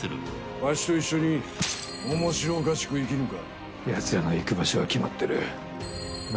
わしと一緒に面白おかしく生きぬか？